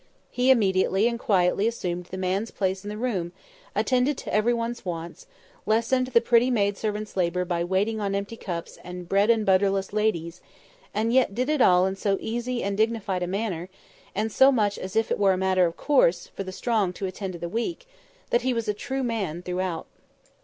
He immediately and quietly assumed the man's place in the room; attended to every one's wants, lessened the pretty maid servant's labour by waiting on empty cups and bread and butterless ladies; and yet did it all in so easy and dignified a manner, and so much as if it were a matter of course for the strong to attend to the weak, that he was a true man throughout.